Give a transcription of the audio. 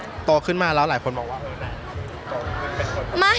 ที่โตขึ้นมาแล้วหลายคนบอกว่าเอ้ยหลายคนแม่ชัยไว้